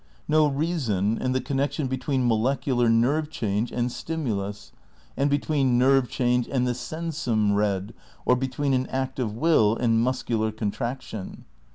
No reason in the connec tion between molecular nerve change and stimulus, and between nerve change and the s&nsum red, or between an act of will and muscular contraction.